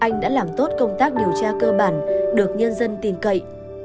anh đã làm tốt công tác điều tra cơ bản được nhân dân tin cậy